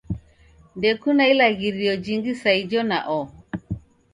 Ndekuna ilaghirio jingi sa ijo na oho